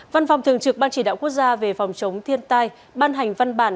văn phòng thường trực ban chỉ đạo quốc gia về phòng chống thiên tai ban hành văn bản